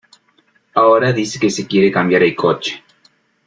Ahora dice que se quiere cambiar el coche.